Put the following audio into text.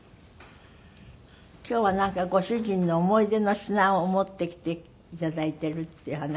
今日はなんかご主人の思い出の品を持ってきていただいてるっていう話だけど。